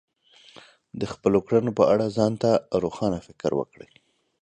د خپلو کړنو په اړه ځان ته روښانه فکر وکړئ.